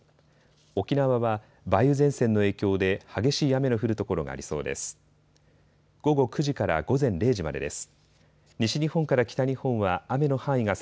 沖縄は梅雨前線の影響で激しい雨の降る所がありそうです。